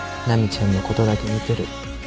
奈未ちゃんのことだけ見てる